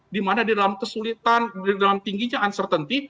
di mana di dalam kesulitan di dalam tingginya uncertainty